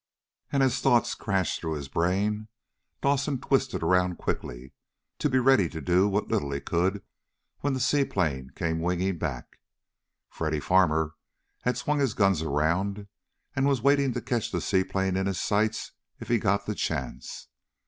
And as thoughts crashed through his brain Dawson twisted around quickly to be ready to do what little he could when the seaplane came winging back. Freddy Farmer had swung his guns around, and was waiting to catch the seaplane in his sights if he got the chance.